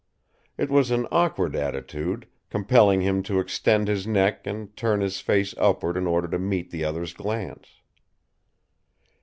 It was an awkward attitude, compelling him to extend his neck and turn his face upward in order to meet the other's glance.